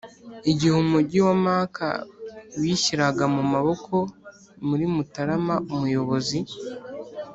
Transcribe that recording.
igihe umugi wa maka wishyiraga mu maboko muri mutarama umuyobozi.